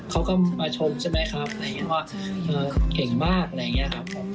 เขาก็มาชมใช่ไหมครับอะไรอย่างนี้ว่าเก่งมากอะไรอย่างนี้ครับผม